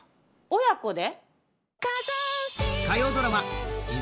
親子で？